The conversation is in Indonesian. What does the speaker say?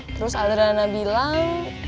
terus adriana bilang